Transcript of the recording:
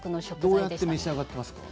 どうやって召し上がってますか？